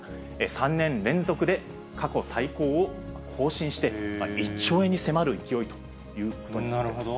３年連続で過去最高を更新して、１兆円に迫る勢いということになってます。